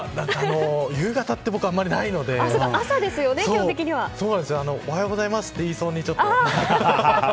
夕方って、あまり僕はないのでおはようございますって言いそうに。